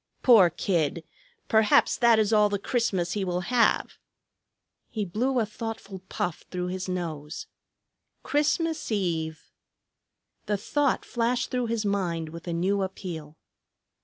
Poor kid! Perhaps that is all the Christmas he will have." He blew a thoughtful puff through his nose. "Christmas Eve!" The thought flashed through his mind with a new appeal.